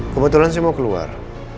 kebetulan saya mau keluar